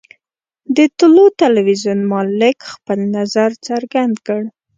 د طلوع ټلویزیون مالک خپل نظر څرګند کړ.